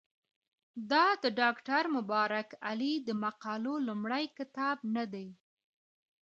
دا د ډاکټر مبارک علي د مقالو لومړی کتاب نه دی.